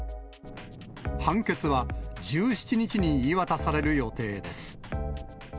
判決は１７日に言い渡される予定です。